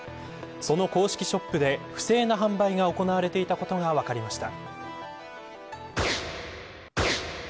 その公式ショップで不正な販売が行われていたことが分かりました。